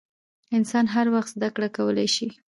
انسان هر وخت زدکړه کولای سي .